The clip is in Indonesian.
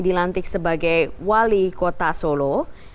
dilantik sebagai wali kota solo